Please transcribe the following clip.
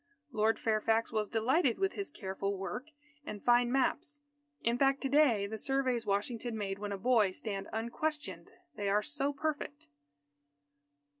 Lord Fairfax was delighted with his careful work and fine maps. In fact, to day the surveys Washington made when a boy, stand unquestioned; they are so perfect.